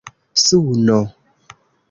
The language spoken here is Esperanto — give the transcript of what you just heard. suno